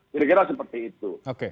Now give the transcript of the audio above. kira kira seperti itu